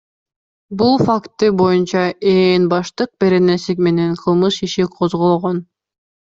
Бул факты боюнча Ээн баштык беренеси менен кылмыш иши козголгон.